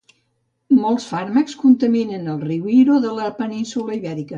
Molts fàrmacs contaminen el riu Iro de la península Ibèrica.